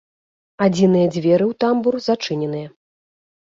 Адзіныя дзверы ў тамбур зачыненыя.